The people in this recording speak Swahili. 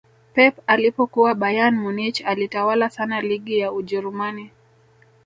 pep alipokuwa bayern munich alitawala sana ligi ya ujerumani